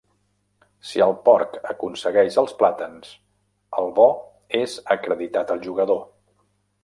Si el porc aconsegueix els plàtans, el bo és acreditat al jugador.